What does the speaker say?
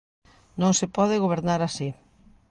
Non se pode gobernar así.